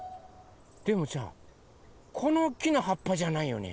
でもさこの木のはっぱじゃないよね？